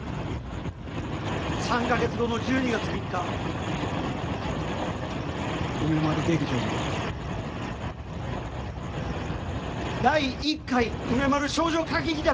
３か月後の１２月３日梅丸劇場において第１回梅丸少女歌劇団